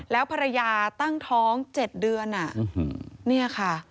แล้วภรรยาตั้งท้อง๗เดือนเนี่ยค่ะ